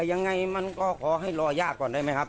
ยังไงมันก็ขอให้รอยากก่อนได้ไหมครับ